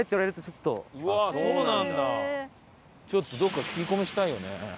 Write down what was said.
ちょっとどこか聞き込みしたいよね。